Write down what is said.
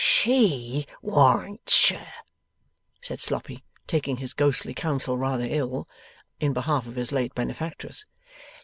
'SHE warn't, sir,' said Sloppy, taking this ghostly counsel rather ill, in behalf of his late benefactress.